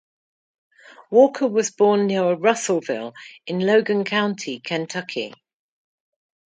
Walker was born near Russelville in Logan County, Kentucky.